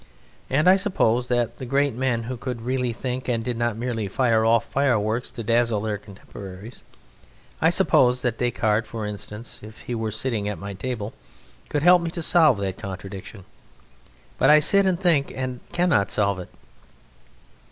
And I suppose that the great men who could really think and did not merely fire off fireworks to dazzle their contemporaries I suppose that Descartes, for instance, if he were here sitting at my table could help me to solve that contradiction; but I sit and think and cannot solve it.